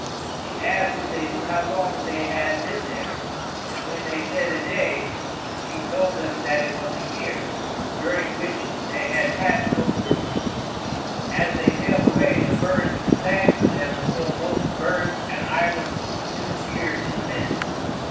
She asked if they knew how long they had been there, and when they said "a day," she told them that it was a year, during which they had had no food. As they sailed away, the birds sang to them until both birds and island disappeared in the mist.